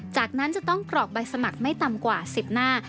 จากนั้นจะต้องกรอกใบสมัครไม่ต่ำกว่า๑๐หน้า